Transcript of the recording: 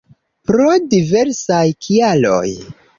Pro diversaj kialoj.